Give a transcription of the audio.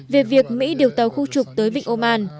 về việc mỹ điều tàu khu trục tới vịnh oman